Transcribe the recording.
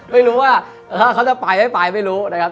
ไม่รู้ว่าถ้าเขาจะไปไม่ไปไม่รู้นะครับ